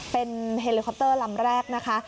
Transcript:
เป็นเฮลิคอปเตอร์ลำแรกนะคะ